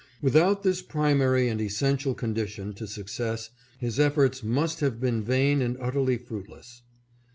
With out this primary and essential condition to success his efforts must have been vain and utterly fruitless.